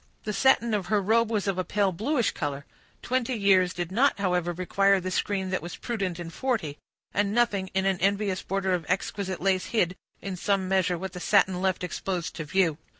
The satin of her robe was of a pale bluish color. Twenty years did not, however, require the screen that was prudent in forty, and nothing but an envious border of exquisite lace hid, in some measure, what the satin left exposed to view.